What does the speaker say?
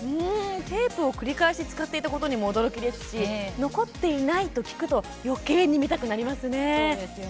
テープを繰り返し使っていたことにも驚きですし残っていないと聞くとよけいに見たくなりますね。